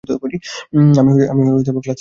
আমি ক্লাস থ্রিতে, দাদা!